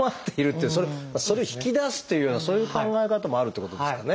それを引き出すっていうようなそういう考え方もあるっていうことですかね。